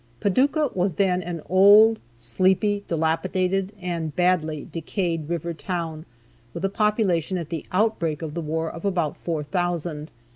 Paducah was then an old, sleepy, dilapidated, and badly decayed river town, with a population at the outbreak of the war of about four thousand.